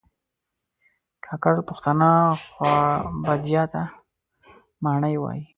کاکړ پښتانه خوابدیا ته ماڼی وایي